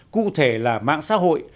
cụ thể là mạng xã hội